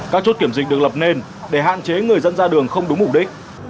các chốt kiểm dịch được lập nên để hạn chế người dân ra đường không đúng mục đích